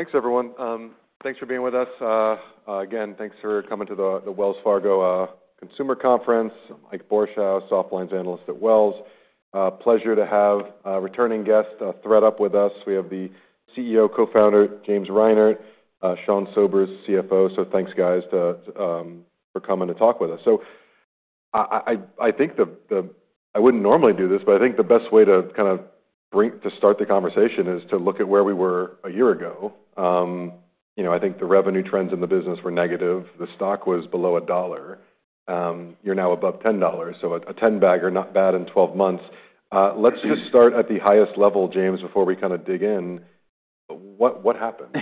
Thanks, everyone. Thanks for being with us. Again, thanks for coming to the Wells Fargo Consumer Conference. Mike Borchau, Softlines Analyst at Wells Fargo. Pleasure to have a returning guest, ThredUp Inc. with us. We have the CEO, Co-Founder, James Reinhart, Sean Sobers, CFO. Thanks, guys, for coming to talk with us. I think the best way to start the conversation is to look at where we were a year ago. I think the revenue trends in the business were negative. The stock was below $1. You're now above $10. So a ten bagger, not bad in 12 months. Let's just start at the highest level, James, before we dig in. What happened?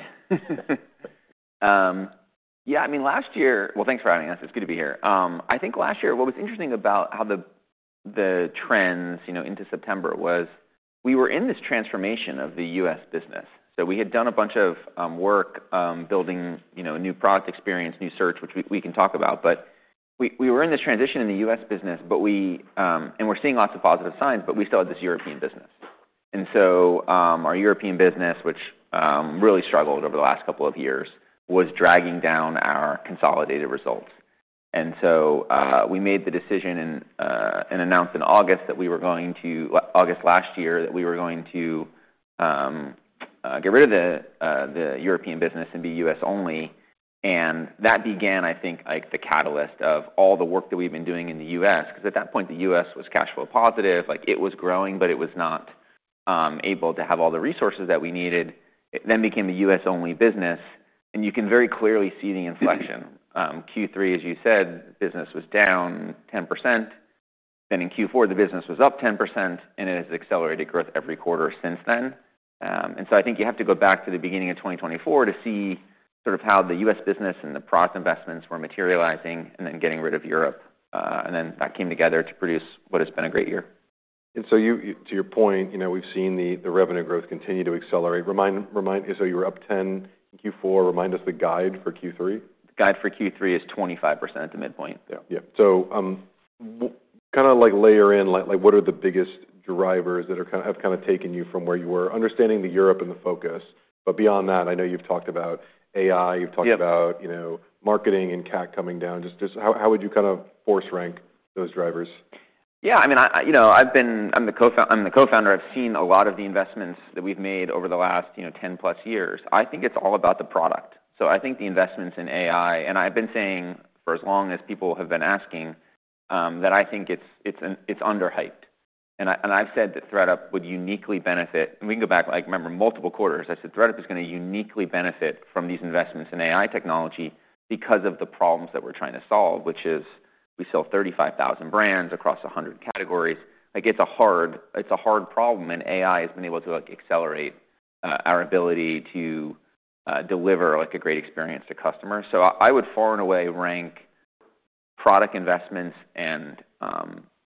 Yeah. I mean, last year, thanks for having us. It's good to be here. I think last year, what was interesting about how the trends, you know, into September was we were in this transformation of the U.S. business. We had done a bunch of work, building new product experience, new search, which we can talk about. We were in this transition in the U.S. business, and we're seeing lots of positive signs, but we still had this European business. Our European business, which really struggled over the last couple of years, was dragging down our consolidated results. We made the decision and announced in August that we were going to, August last year, that we were going to get rid of the European business and be U.S. only. That began, I think, the catalyst of all the work that we've been doing in the U.S. because at that point, the U.S. was cash flow positive. It was growing, but it was not able to have all the resources that we needed. It then became the U.S. only business. You can very clearly see the inflection. Q3, as you said, the business was down 10%. In Q4, the business was up 10%, and it has accelerated growth every quarter since then. I think you have to go back to the beginning of 2024 to see sort of how the U.S. business and the product investments were materializing and then getting rid of Europe. That came together to produce what has been a great year. To your point, we've seen the revenue growth continue to accelerate. Remind us, you were up 10% in Q4. Remind us the guide for Q3. The guide for Q3 is 25% at the midpoint. Yeah. Kind of like layer in, like, what are the biggest drivers that have kind of taken you from where you were? Understanding the Europe and the focus. Beyond that, I know you've talked about AI. You've talked about, you know, marketing and CAC coming down. Just how would you kind of force rank those drivers? Yeah. I mean, I've been, I'm the Co-Founder. I'm the Co-Founder. I've seen a lot of the investments that we've made over the last, you know, 10 plus years. I think it's all about the product. I think the investments in AI, and I've been saying for as long as people have been asking, that I think it's underhyped. I've said that ThredUp would uniquely benefit, and we can go back, like, remember multiple quarters, I said ThredUp is going to uniquely benefit from these investments in AI technology because of the problems that we're trying to solve, which is we sell 35,000 brands across 100 categories. Like, it's a hard, it's a hard problem, and AI has been able to accelerate our ability to deliver, like, a great experience to customers. I would, far and away, rank product investments and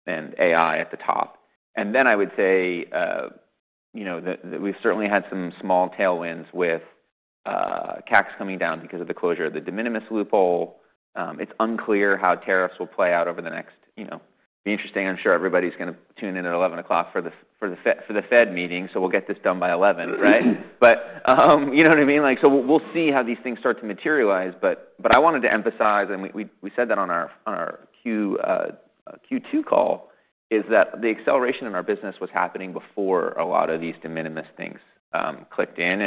AI at the top. I would say, you know, that we've certainly had some small tailwinds with customer acquisition costs coming down because of the closure of the de minimis loophole. It's unclear how tariffs will play out over the next, you know, it'd be interesting. I'm sure everybody's going to tune in at 11:00 A.M. for the Fed meeting. We'll get this done by 11:00, right? You know what I mean? We'll see how these things start to materialize. I wanted to emphasize, and we said that on our Q2 call, that the acceleration in our business was happening before a lot of these de minimis things clicked in.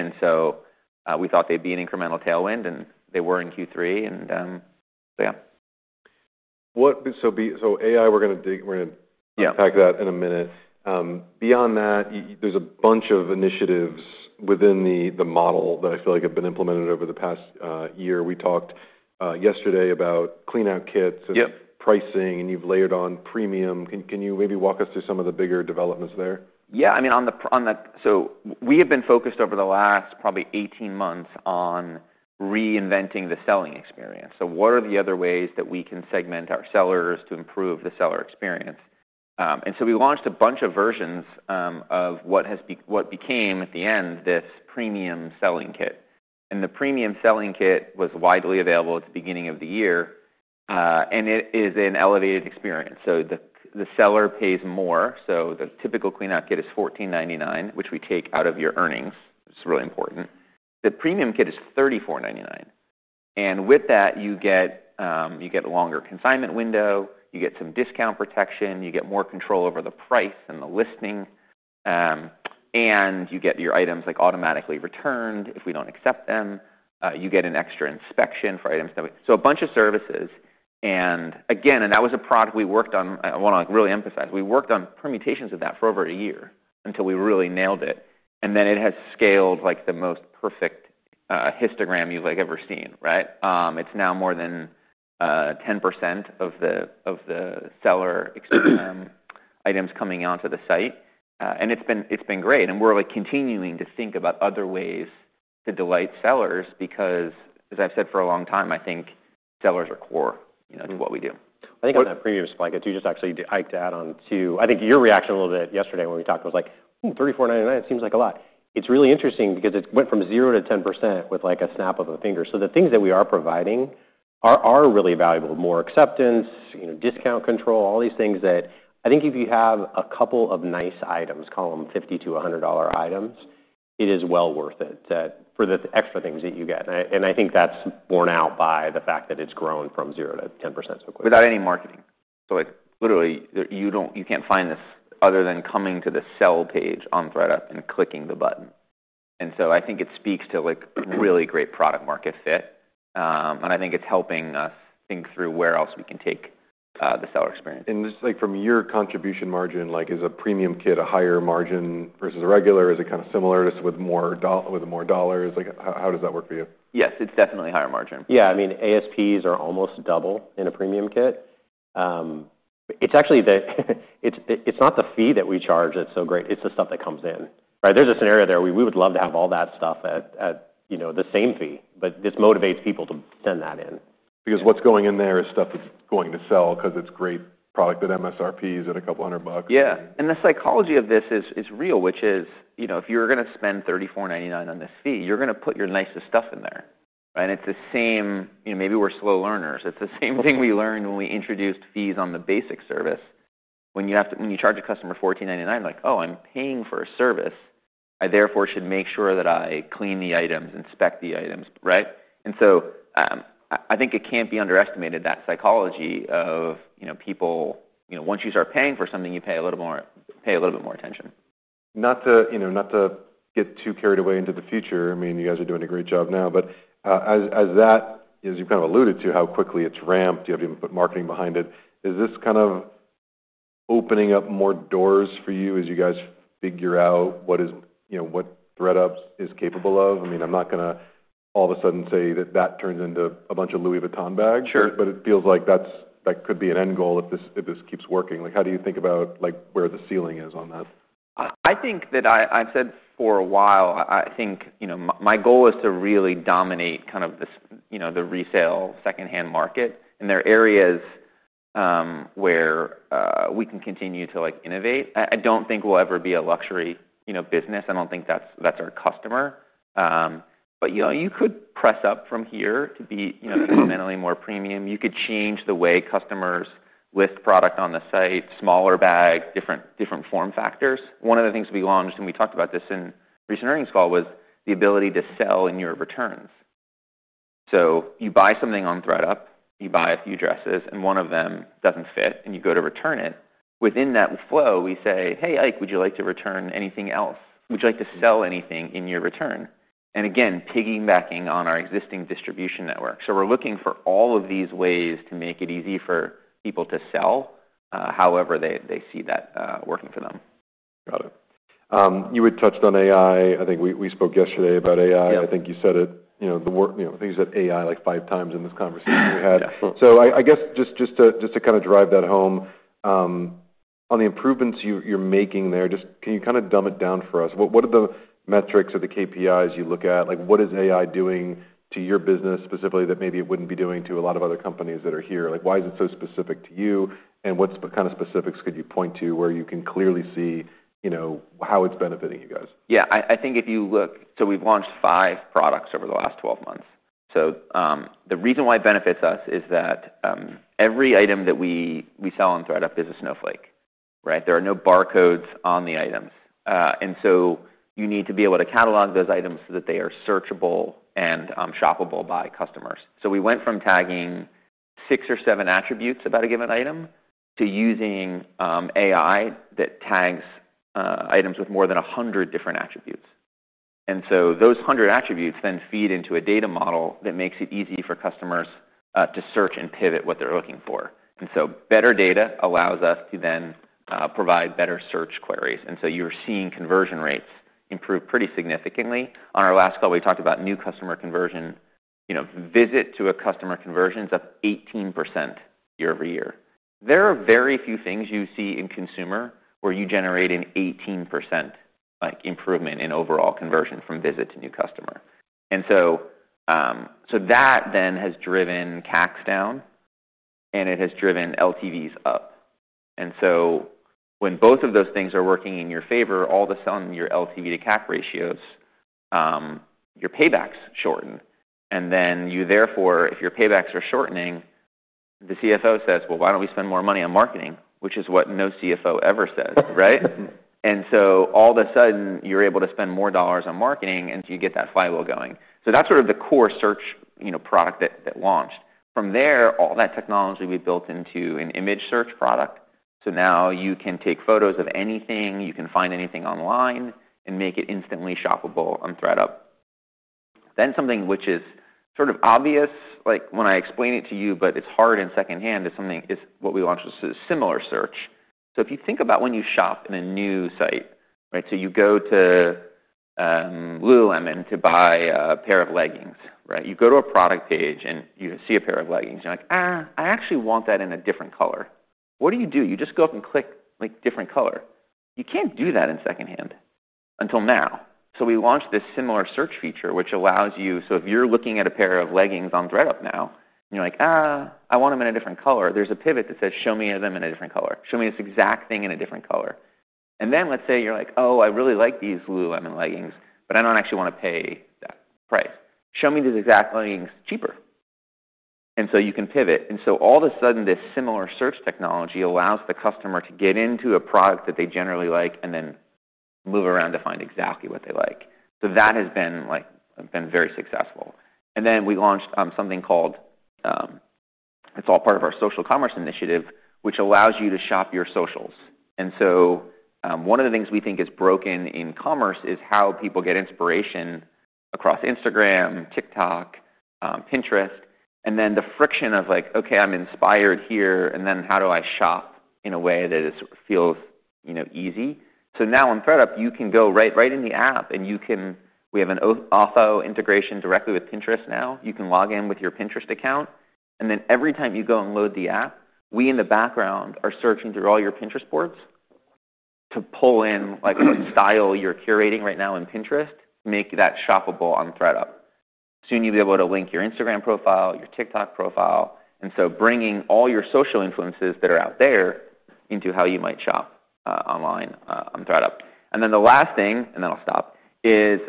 We thought they'd be an incremental tailwind, and they were in Q3. So yeah. What, so be so AI, we're going to dig, we're going to pack that in a minute. Beyond that, there's a bunch of initiatives within the model that I feel like have been implemented over the past year. We talked yesterday about clean out kits and pricing, and you've layered on premium. Can you maybe walk us through some of the bigger developments there? Yeah. I mean, on that, we have been focused over the last probably 18 months on reinventing the selling experience. What are the other ways that we can segment our sellers to improve the seller experience? We launched a bunch of versions of what became, at the end, this premium selling kit. The premium selling kit was widely available at the beginning of the year, and it is an elevated experience. The seller pays more. The typical clean out kit is $14.99, which we take out of your earnings. It's really important. The premium kit is $34.99. With that, you get a longer consignment window, you get some discount protection, you get more control over the price and the listing, and you get your items automatically returned if we don't accept them. You get an extra inspection for items, so a bunch of services. That was a product we worked on. I want to really emphasize, we worked on permutations of that for over a year until we really nailed it. It has scaled like the most perfect histogram you've ever seen. It's now more than 10% of the seller expense, items coming onto the site, and it's been great. We're continuing to think about other ways to delight sellers because, as I've said for a long time, I think sellers are core to what we do. I think on that premium spike that you just actually hiked out on to, I think your reaction a little bit yesterday when we talked was like, oh, $34.99, it seems like a lot. It's really interesting because it went from 0 to 10% with like a snap of a finger. The things that we are providing are really valuable: more acceptance, discount control, all these things that I think if you have a couple of nice items, call them $50 to $100 items, it is well worth it for the extra things that you get. I think that's borne out by the fact that it's grown from 0 to 10% so quickly. Without any marketing, you can't find this other than coming to the sell page on ThredUp and clicking the button. I think it speaks to really great product market fit, and I think it's helping us think through where else we can take the seller experience. From your contribution margin, is a premium selling kit a higher margin versus a regular? Is it kind of similar, just with more dollars? How does that work for you? Yes, it's definitely a higher margin. Yeah. I mean, ASPs are almost double in a premium selling kit. It's actually the, it's not the fee that we charge that's so great. It's the stuff that comes in, right? There's a scenario there where we would love to have all that stuff at, you know, the same fee. This motivates people to send that in. Because what's going in there is stuff that's going to sell because it's great product at MSRPs at a couple hundred bucks. Yeah. The psychology of this is real, which is, you know, if you're going to spend $34.99 on this fee, you're going to put your nicest stuff in there. Right? It's the same, you know, maybe we're slow learners. It's the same thing we learned when we introduced fees on the basic service. When you charge a customer $14.99, like, oh, I'm paying for a service. I, therefore, should make sure that I clean the items, inspect the items. Right? I think it can't be underestimated, that psychology of, you know, people, you know, once you start paying for something, you pay a little bit more attention. Not to get too carried away into the future. I mean, you guys are doing a great job now. As that is, you kind of alluded to how quickly it's ramped. You haven't even put marketing behind it. Is this kind of opening up more doors for you as you guys figure out what is, you know, what ThredUp is capable of? I mean, I'm not going to all of a sudden say that that turns into a bunch of Louis Vuitton bags. Sure. It feels like that could be an end goal if this keeps working. How do you think about where the ceiling is on that? I think that I've said for a while, I think, you know, my goal is to really dominate kind of this, you know, the resale secondhand market. There are areas where we can continue to innovate. I don't think we'll ever be a luxury, you know, business. I don't think that's our customer, but, you know, you could press up from here to be, you know, more premium. You could change the way customers list product on the site, smaller bags, different form factors. One of the things we launched, and we talked about this in the recent earnings call, was the ability to sell in your returns. You buy something on ThredUp, you buy a few dresses, and one of them doesn't fit, and you go to return it. Within that flow, we say, hey, would you like to return anything else? Would you like to sell anything in your return? Again, piggybacking on our existing distribution network, we're looking for all of these ways to make it easy for people to sell, however they see that working for them. Got it. You had touched on AI. I think we spoke yesterday about AI. Yeah. I think you said it, you know, the word, you know, I think you said AI like five times in this conversation we had. Yeah. I guess just to kind of drive that home, on the improvements you're making there, can you kind of dumb it down for us? What are the metrics or the KPIs you look at? What is AI doing to your business specifically that maybe it wouldn't be doing to a lot of other companies that are here? Why is it so specific to you? What are the specifics you could point to where you can clearly see how it's benefiting you guys? Yeah. I think if you look, we've launched five products over the last 12 months. The reason why it benefits us is that every item that we sell on ThredUp is a snowflake. Right? There are no barcodes on the items, and you need to be able to catalog those items so that they are searchable and shoppable by customers. We went from tagging six or seven attributes about a given item to using AI that tags items with more than 100 different attributes. Those 100 attributes then feed into a data model that makes it easy for customers to search and pivot what they're looking for. Better data allows us to then provide better search queries. You're seeing conversion rates improve pretty significantly. On our last call, we talked about new customer conversion, you know, visit to a customer conversion is up 18% year-over-year. There are very few things you see in consumer where you generate an 18% improvement in overall conversion from visit to new customer. That then has driven customer acquisition costs down, and it has driven LTVs up. When both of those things are working in your favor, all of a sudden, your LTV to CAC ratios, your paybacks shorten. Therefore, if your paybacks are shortening, the CFO says, why don't we spend more money on marketing, which is what no CFO ever says. Right? All of a sudden, you're able to spend more dollars on marketing and you get that flywheel going. That's sort of the core search product that launched. From there, all that technology we built into an image search product. Now you can take photos of anything, you can find anything online, and make it instantly shoppable on ThredUp. Something which is sort of obvious, like, when I explain it to you, but it's hard in secondhand, is something is what we launched was a similar search. If you think about when you shop in a new site, right, you go to Lululemon to buy a pair of leggings. Right? You go to a product page and you see a pair of leggings, you're like, I actually want that in a different color. What do you do? You just go up and click, like, different color. You can't do that in secondhand until now. We launched this similar search feature, which allows you, so if you're looking at a pair of leggings on ThredUp now, and you're like, I want them in a different color, there's a pivot that says, show me them in a different color. Show me this exact thing in a different color. Let's say you're like, oh, I really like these Lululemon leggings, but I don't actually want to pay that price. Show me these exact leggings cheaper. You can pivot. All of a sudden, this similar search technology allows the customer to get into a product that they generally like and then move around to find exactly what they like. That has been very successful. We launched something called, it's all part of our social commerce initiative, which allows you to shop your socials. One of the things we think is broken in commerce is how people get inspiration across Instagram, TikTok, Pinterest, and then the friction of, like, okay, I'm inspired here, and then how do I shop in a way that feels easy? Now on ThredUp, you can go right in the app and we have an auto integration directly with Pinterest now. You can log in with your Pinterest account. Every time you go and load the app, we in the background are searching through all your Pinterest boards to pull in the style you're curating right now in Pinterest and make that shoppable on ThredUp. Soon you'll be able to link your Instagram profile, your TikTok profile, bringing all your social influences that are out there into how you might shop online on ThredUp. The last thing is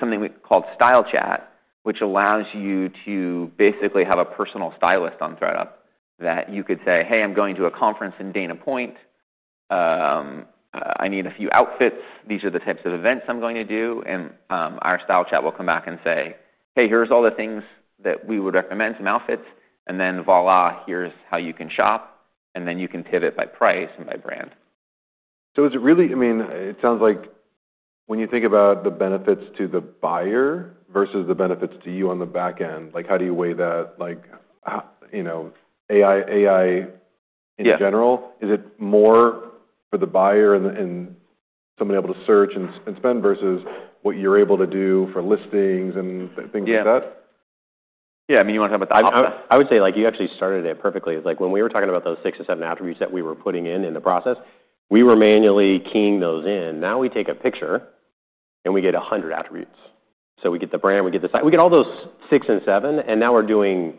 something we called Style Chat, which allows you to basically have a personal stylist on ThredUp that you could say, hey, I'm going to a conference in Dana Point. I need a few outfits. These are the types of events I'm going to do. Our Style Chat will come back and say, hey, here's all the things that we would recommend, some outfits, and then voila, here's how you can shop. You can pivot by price and by brand. It really, I mean, it sounds like when you think about the benefits to the buyer versus the benefits to you on the back end, how do you weigh that? How, you know, AI in general. Yeah. Is it more for the buyer and someone able to search and spend versus what you're able to do for listings and things like that? Yeah. I mean, you wanna have a, I would say, like, you actually started it perfectly. It's like when we were talking about those six or seven attributes that we were putting in the process, we were manually keying those in. Now we take a picture and we get a hundred attributes. We get the brand, we get the site, we get all those six and seven, and now we're doing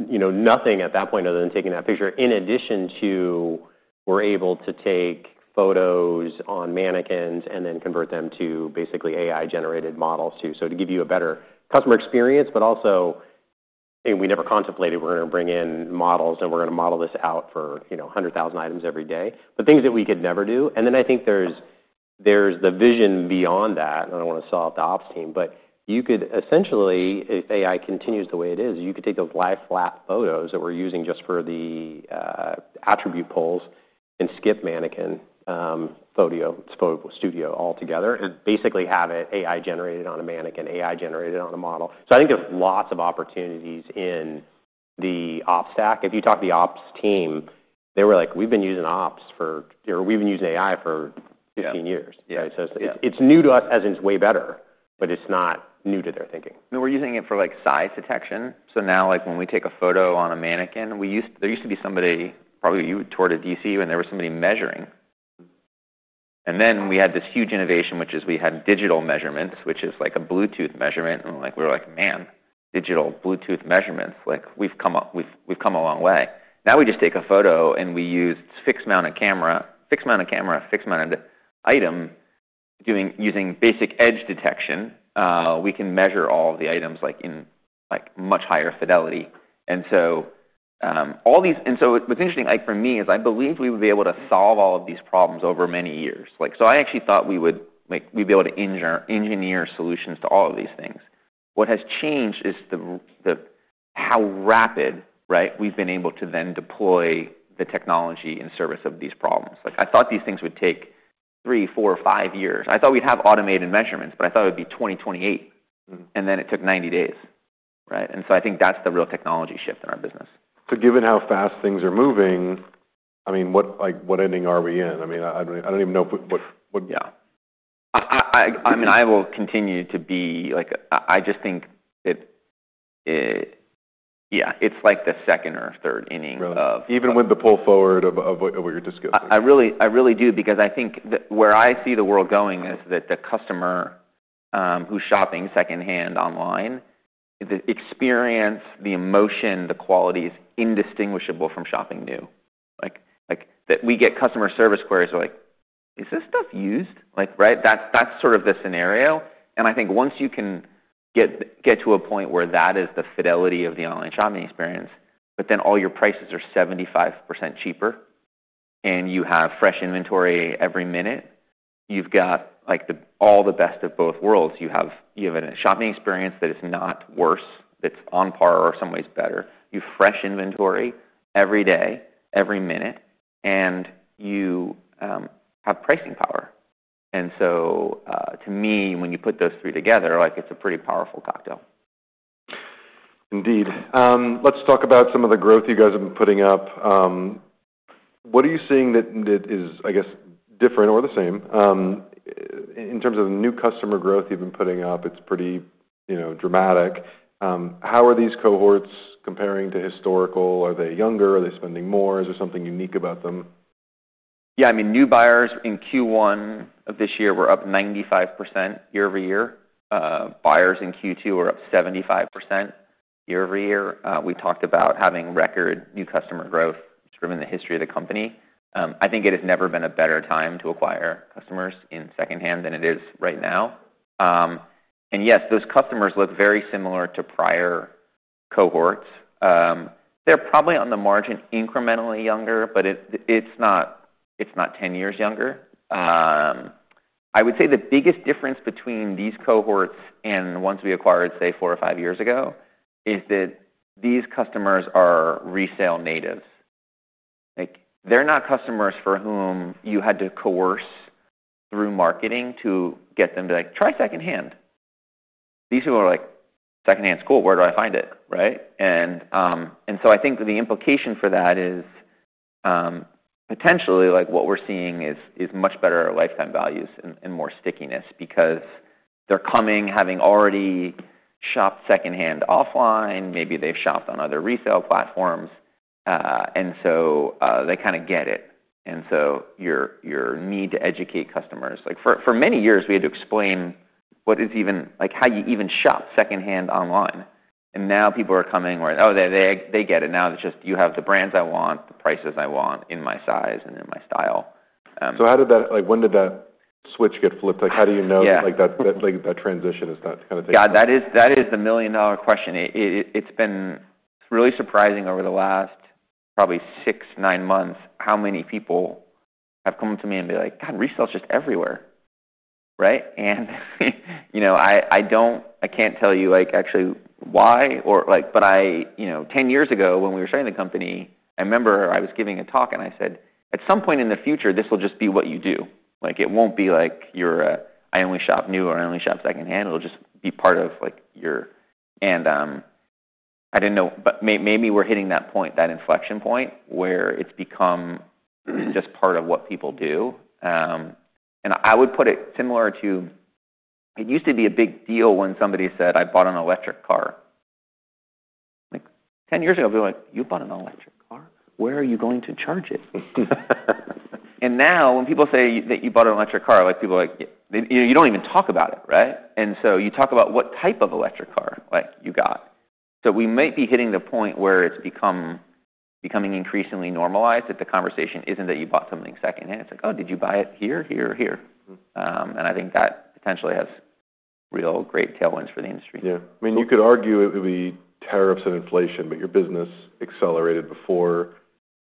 nothing at that point other than taking that picture. In addition to, we're able to take photos on mannequins and then convert them to basically AI-generated models too. To give you a better customer experience, but also, you know, we never contemplated we're going to bring in models and we're going to model this out for a hundred thousand items every day. Things that we could never do. I think there's the vision beyond that. I don't wanna sell out the ops team, but you could essentially, if AI continues the way it is, you could take those live flat photos that we're using just for the attribute polls and skip mannequin photo studio altogether and basically have it AI-generated on a mannequin, AI-generated on a model. I think there's lots of opportunities in the ops stack. If you talk to the ops team, they were like, we've been using ops for, or we've been using AI for 15 years. It's new to us as in it's way better, but it's not new to their thinking. We're using it for, like, size detection. Now, when we take a photo on a mannequin, there used to be somebody—probably you toured a distribution center when there was somebody measuring. We had this huge innovation, which is we had digital measurements, which is like a Bluetooth measurement. We're like, man, digital Bluetooth measurements, we've come a long way. Now we just take a photo and we use a fixed mounted camera, fixed mounted item, using basic edge detection. We can measure all of the items in much higher fidelity. What's interesting for me is I believe we would be able to solve all of these problems over many years. I actually thought we would be able to engineer solutions to all of these things. What has changed is how rapid we've been able to then deploy the technology in service of these problems. I thought these things would take 3, 4, 5 years. I thought we'd have automated measurements, but I thought it would be 2028. It took 90 days. I think that's the real technology shift in our business. Given how fast things are moving, what ending are we in? I don't even know what. Yeah. I mean, I will continue to be, like, I just think that it, yeah, it's like the second or third inning of. Even with the pull forward of what you're discussing. I really do because I think that where I see the world going is that the customer who's shopping secondhand online, the experience, the emotion, the quality is indistinguishable from shopping new. Like, we get customer service queries like, is this stuff used? That's sort of the scenario. I think once you can get to a point where that is the fidelity of the online shopping experience, but then all your prices are 75% cheaper and you have fresh inventory every minute, you've got all the best of both worlds. You have a shopping experience that is not worse, that's on par or in some ways better. You have fresh inventory every day, every minute, and you have pricing power. To me, when you put those three together, it's a pretty powerful cocktail. Indeed. Let's talk about some of the growth you guys have been putting up. What are you seeing that is, I guess, different or the same? In terms of the new customer growth you've been putting up, it's pretty, you know, dramatic. How are these cohorts comparing to historical? Are they younger? Are they spending more? Is there something unique about them? Yeah. I mean, new buyers in Q1 of this year were up 95% year-over-year. Buyers in Q2 were up 75% year-over-year. We've talked about having record new customer growth. It's driven the history of the company. I think it has never been a better time to acquire customers in secondhand than it is right now. Yes, those customers look very similar to prior cohorts. They're probably on the margin incrementally younger, but it's not 10 years younger. I would say the biggest difference between these cohorts and ones we acquired, say, 4 or 5 years ago, is that these customers are resale natives. They're not customers for whom you had to coerce through marketing to get them to try secondhand. These people are like, secondhand's cool. Where do I find it? Right? I think the implication for that is, potentially, what we're seeing is much better at lifetime values and more stickiness because they're coming having already shopped secondhand offline. Maybe they've shopped on other resale platforms, and so they kinda get it. Your need to educate customers, like, for many years, we had to explain what is even, like, how you even shop secondhand online. Now people are coming where, oh, they get it. Now it's just you have the brands I want, the prices I want in my size and in my style. When did that switch get flipped? How do you know? Yeah. That transition is not kind of taking? That is the million dollar question. It's been really surprising over the last probably 6, 9 months how many people have come to me and be like, God, resale's just everywhere. Right? I can't tell you, like, actually why or, like, but I, you know, 10 years ago when we were starting the company, I remember I was giving a talk and I said, at some point in the future, this will just be what you do. Like, it won't be like you're a I only shop new or I only shop secondhand. It'll just be part of, like, your, and I didn't know, but maybe we're hitting that point, that inflection point where it's become just part of what people do. I would put it similar to it used to be a big deal when somebody said, I bought an electric car. Like, 10 years ago, I'd be like, you bought an electric car? Where are you going to charge it? Now when people say that you bought an electric car, people are like, you know, you don't even talk about it. You talk about what type of electric car you got. We might be hitting the point where it's becoming increasingly normalized that the conversation isn't that you bought something secondhand. It's like, oh, did you buy it here, here, or here? I think that potentially has real great tailwinds for the industry. Yeah, you could argue it would be tariffs and inflation, but your business accelerated before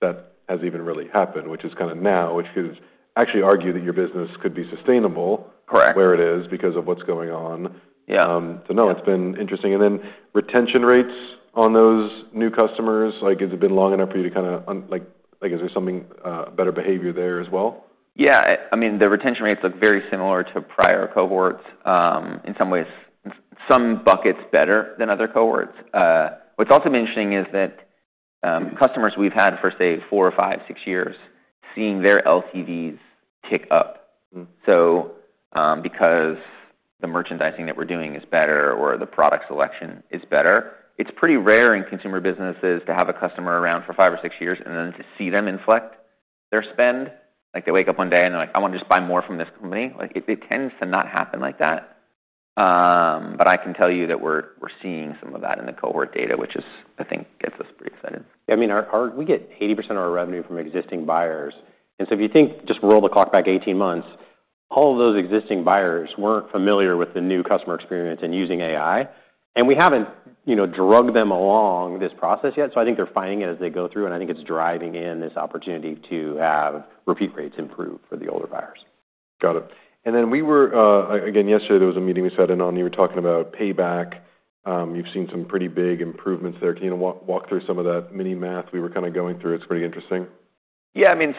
that has even really happened, which is kind of now, which is actually argue that your business could be sustainable. Correct. Where it is because of what is going on. Yeah. It's been interesting. Retention rates on those new customers, has it been long enough for you to kind of, like, is there something, better behavior there as well? Yeah. I mean, the retention rates look very similar to prior cohorts. In some ways, some buckets are better than other cohorts. What's also interesting is that customers we've had for, say, 4 or 5, 6 years, seeing their LTVs tick up. Because the merchandising that we're doing is better or the product selection is better, it's pretty rare in consumer businesses to have a customer around for 5 or 6 years and then to see them inflect their spend. Like, they wake up one day and they're like, I wanna just buy more from this company. It tends to not happen like that. I can tell you that we're seeing some of that in the cohort data, which is, I think, gets us pretty excited. Yeah. I mean, we get 80% of our revenue from existing buyers. If you just roll the clock back 18 months, all of those existing buyers weren't familiar with the new customer experience and using AI. We haven't, you know, drug them along this process yet. I think they're finding it as they go through, and I think it's driving in this opportunity to have repeat rates improve for the older buyers. Got it. Yesterday, there was a meeting we sat in on. You were talking about payback. You've seen some pretty big improvements there. Can you walk through some of that mini math we were kind of going through? It's pretty interesting. Yeah. I mean,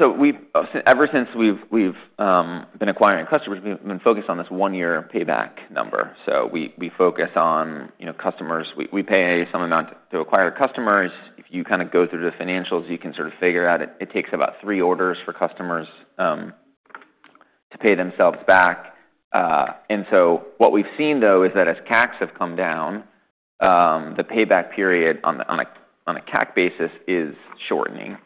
ever since we've been acquiring customers, we've been focused on this one-year payback number. We focus on, you know, customers. We pay some amount to acquire customers. If you kinda go through the financials, you can sort of figure out it takes about 3 orders for customers to pay themselves back. What we've seen, though, is that as CACs have come down, the payback period on a CAC basis is shortening.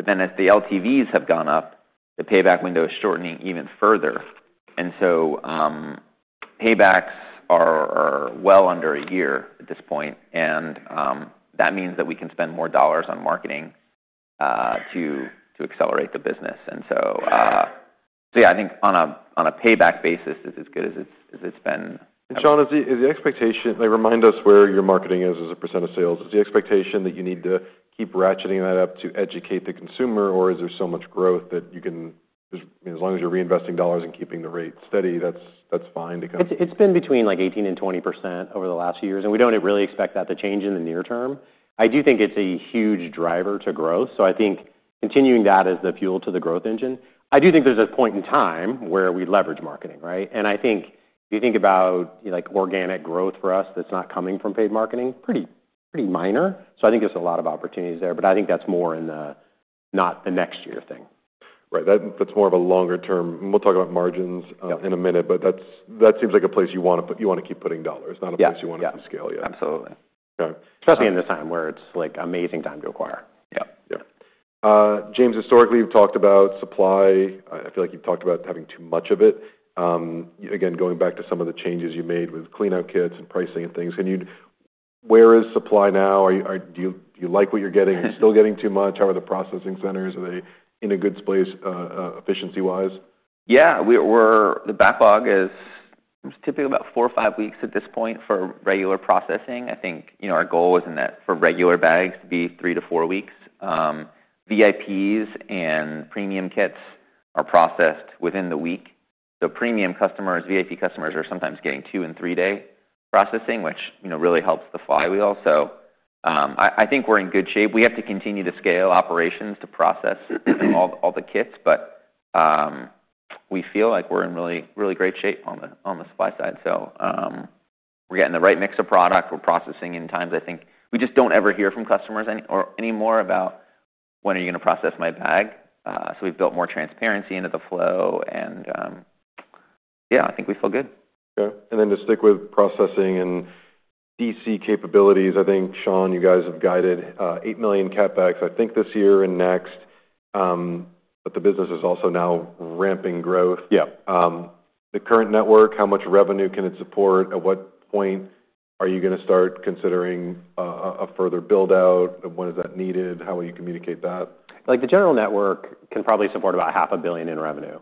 As the LTVs have gone up, the payback window is shortening even further. Paybacks are well under a year at this point. That means that we can spend more dollars on marketing to accelerate the business. Yeah, I think on a payback basis, it's as good as it's been. Sean, is the expectation, like, remind us where your marketing is as a % of sales. Is the expectation that you need to keep ratcheting that up to educate the consumer, or is there so much growth that you can, as long as you're reinvesting dollars and keeping the rate steady, that's fine to kind of. It's been between, like, 18% and 20% over the last few years, and we don't really expect that to change in the near term. I do think it's a huge driver to growth. I think continuing that as the fuel to the growth engine. I do think there's a point in time where we leverage marketing, right? If you think about, like, organic growth for us that's not coming from paid marketing, pretty minor. I think there's a lot of opportunities there. I think that's more in the not the next year thing. Right. That's more of a longer term. We'll talk about margins in a minute. That seems like a place you want to keep putting dollars, not a place you want to do scale yet. Yeah. Absolutely. Okay. Especially in this time where it's, like, amazing time to acquire. Yep. Yep. James, historically, we've talked about supply. I feel like you've talked about having too much of it. Again, going back to some of the changes you made with clean out kits and pricing and things, can you, where is supply now? Do you like what you're getting? Are you still getting too much? How are the processing centers? Are they in a good space, efficiency-wise? Yeah. The backlog is typically about 4 or 5 weeks at this point for regular processing. I think our goal is for regular bags to be 3 to 4 weeks. VIPs and premium kits are processed within the week. Premium customers, VIP customers are sometimes getting 2 and 3-day processing, which really helps the flywheel. I think we're in good shape. We have to continue to scale operations to process all the kits. We feel like we're in really, really great shape on the supply side. We're getting the right mix of product. We're processing in times. I think we just don't ever hear from customers anymore about when are you going to process my bag. We've built more transparency into the flow. I think we feel good. Yeah. To stick with processing and DC capabilities, I think, Sean, you guys have guided $8 million CAC backs, I think, this year and next, but the business is also now ramping growth. Yeah. The current network, how much revenue can it support? At what point are you going to start considering a further build out? When is that needed? How will you communicate that? The general network can probably support about half a billion in revenue.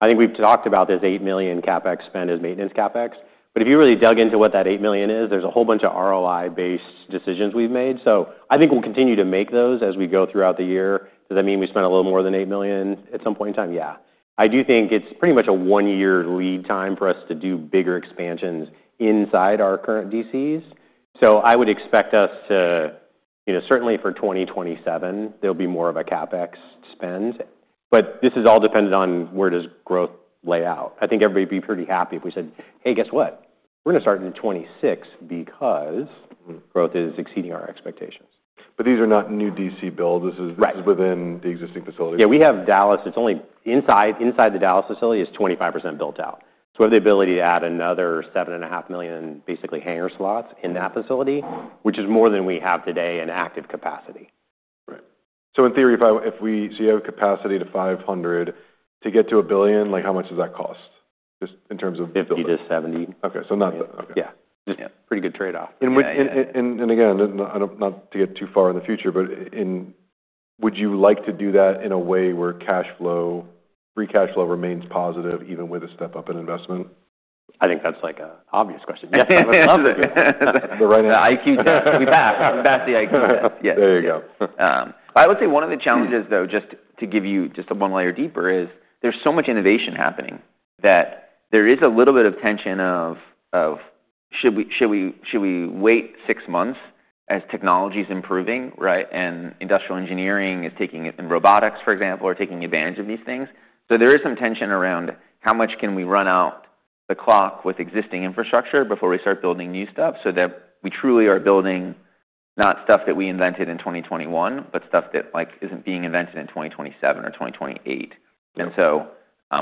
I think we've talked about this $8 million CapEx spend as maintenance CapEx. If you really dug into what that $8 million is, there's a whole bunch of ROI-based decisions we've made. I think we'll continue to make those as we go throughout the year. Does that mean we spend a little more than $8 million at some point in time? Yeah. I do think it's pretty much a 1-year lead time for us to do bigger expansions inside our current DCs. I would expect us to, you know, certainly for 2027, there'll be more of a CapEx spend. This is all dependent on where growth lays out. I think everybody'd be pretty happy if we said, hey, guess what? We're going to start in 2026 because growth is exceeding our expectations. These are not new distribution center builds. This is within the existing facility. Yeah. We have Dallas. Inside the Dallas facility, it's 25% built out. We have the ability to add another $7.5 million, basically hanger slots, in that facility, which is more than we have today in active capacity. Right. In theory, if we see a capacity to 500 to get to a billion, how much does that cost just in terms of. 50 to 70. Okay, not. Yeah. Yeah. Just pretty good trade-off. I don't want to get too far in the future, but would you like to do that in a way where free cash flow remains positive even with a step up in investment? I think that's an obvious question. Yeah, I would love that. The right answer. We back the IQ test. Yeah. There you go. I would say one of the challenges, though, just to give you one layer deeper, is there's so much innovation happening that there is a little bit of tension of should we wait 6 months as technology is improving, right, and industrial engineering is taking it and robotics, for example, are taking advantage of these things. There is some tension around how much can we run out the clock with existing infrastructure before we start building new stuff so that we truly are building not stuff that we invented in 2021, but stuff that isn't being invented in 2027 or 2028.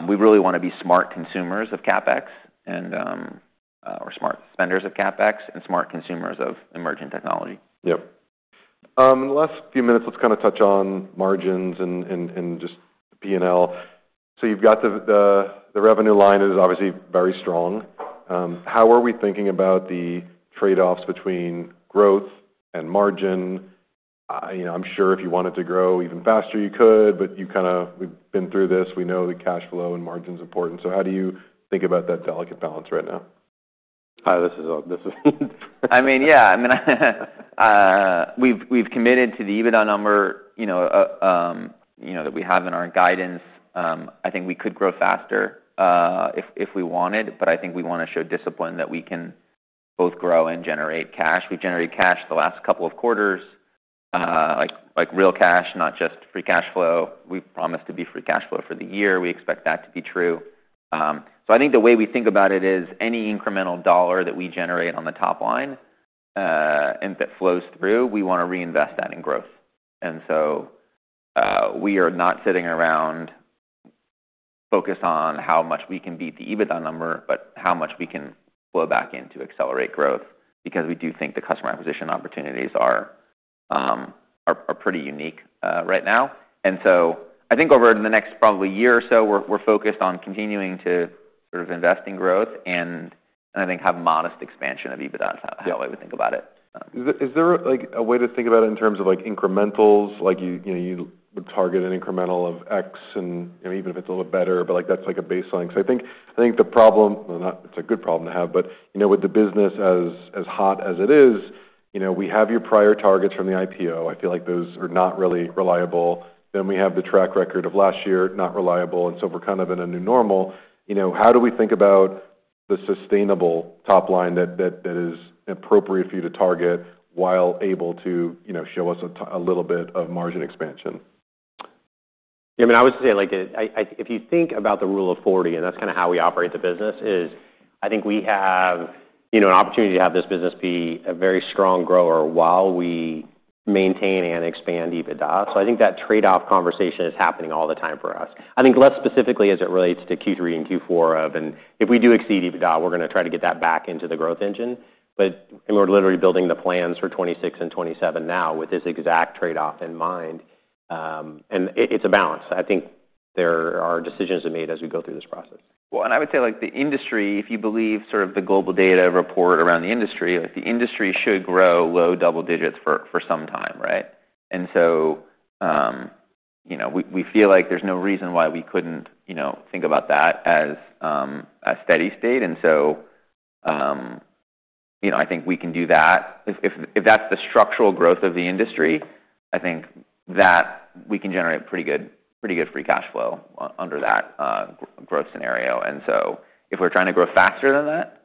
We really want to be smart consumers of CapEx and smart spenders of CapEx and smart consumers of emerging technology. In the last few minutes, let's kind of touch on margins and just P&L. You've got the revenue line is obviously very strong. How are we thinking about the trade-offs between growth and margin? I'm sure if you wanted to grow even faster, you could, but we've been through this. We know that cash flow and margin is important. How do you think about that delicate balance right now? This is all, I mean, yeah. We've committed to the EBITDA number that we have in our guidance. I think we could grow faster if we wanted, but I think we want to show discipline that we can both grow and generate cash. We've generated cash the last couple of quarters, like real cash, not just free cash flow. We promised to be free cash flow for the year. We expect that to be true. I think the way we think about it is any incremental dollar that we generate on the top line and that flows through, we want to reinvest that in growth. We are not sitting around focused on how much we can beat the EBITDA number, but how much we can flow back in to accelerate growth because we do think the customer acquisition opportunities are pretty unique right now. I think over the next probably year or so, we're focused on continuing to invest in growth and I think have modest expansion of EBITDA. That's how I would think about it. Is there a way to think about it in terms of incrementals? You know, you would target an incremental of X and, you know, even if it's a little bit better, that's like a baseline. I think the problem, it's a good problem to have, but with the business as hot as it is, we have your prior targets from the IPO. I feel like those are not really reliable. Then we have the track record of last year, not reliable. We're kind of in a new normal. How do we think about the sustainable top line that is appropriate for you to target while able to show us a little bit of margin expansion? Yeah. I mean, I would say, if you think about the rule of 40, and that's kind of how we operate the business, I think we have an opportunity to have this business be a very strong grower while we maintain and expand EBITDA. I think that trade-off conversation is happening all the time for us. Less specifically as it relates to Q3 and Q4, and if we do exceed EBITDA, we're going to try to get that back into the growth engine. We're literally building the plans for 2026 and 2027 now with this exact trade-off in mind. It's a balance. I think there are decisions to be made as we go through this process. The industry, if you believe sort of the global data report around the industry, the industry should grow low double digits for some time. Right? We feel like there's no reason why we couldn't think about that as a steady state. I think we can do that. If that's the structural growth of the industry, I think that we can generate pretty good free cash flow under that growth scenario. If we're trying to grow faster than that,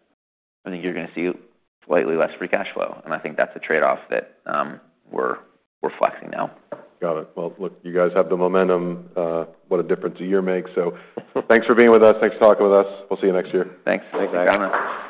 I think you're going to see slightly less free cash flow. I think that's a trade-off that we're flexing now. Got it. You guys have the momentum. What a difference a year makes. Thanks for being with us. Thanks for talking with us. We'll see you next year. Thanks. Thanks, guys. Bye-bye.